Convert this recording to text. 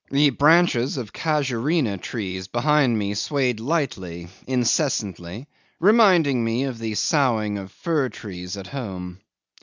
The branches of casuarina trees behind me swayed lightly, incessantly, reminding me of the soughing of fir trees at home.